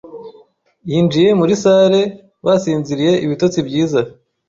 yinjiye muri sale wasinziriye ibitotsi byiza